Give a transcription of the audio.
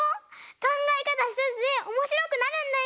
かんがえかたひとつでおもしろくなるんだよ！